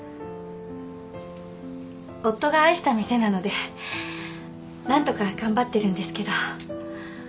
夫が愛した店なので何とか頑張ってるんですけど。